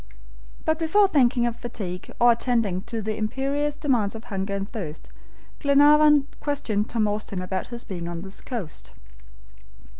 But before thinking of fatigue, or attending to the imperious demands of hunger and thirst, Glenarvan questioned Tom Austin about his being on this coast.